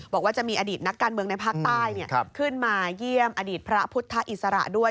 บอกว่าจะมีอดีตนักการเมืองในภาคใต้ขึ้นมาเยี่ยมอดีตพระพุทธอิสระด้วย